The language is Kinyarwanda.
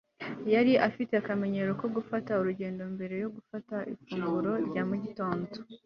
Yari afite akamenyero ko gufata urugendo mbere yo gufata ifunguro rya mu gitondo